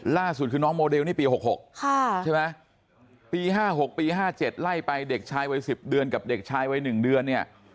ล่าสุดคือน้องโมเดลนี่ปี๖๖ใช่ไหมปี๕๖ปี๕๗ไล่ไปเด็กชายวัย๑๐เดือนกับเด็กชายวัย๑เดือนเนี่ย